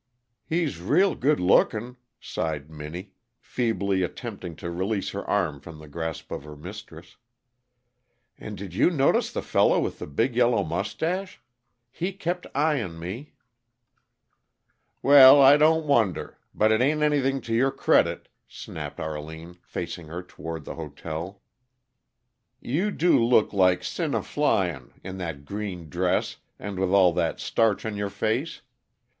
"He's real good lookin'," sighed Minnie, feebly attempting to release her arm from the grasp of her mistress. "And did you notice the fellow with the big yellow mustache? He kept eyin' me " "Well, I don't wonder but it ain't anything to your credit," snapped Arline, facing her toward the hotel, "You do look like sin a flyin', in that green dress, and with all that starch on your face.